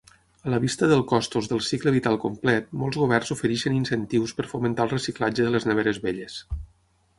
A la vista del costos del cicle vital complet, molts governs ofereixen incentius per fomentar el reciclatge de les neveres velles.